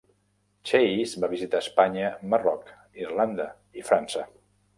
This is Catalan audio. "Chase" va visitar Espanya, Marroc, Irlanda i França.